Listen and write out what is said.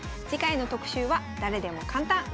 次回の特集は「誰でも簡単！